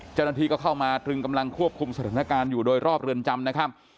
เจ้าหน้าที่ก็เข้ามาตรึงกำลังควบคุมสถานการณ์อยู่โดยรอบเรือนจำนะครับ